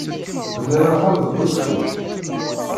Bnan axxam deg Uzeffun?